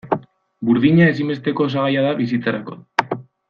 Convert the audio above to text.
Burdina ezinbesteko osagaia da bizitzarako.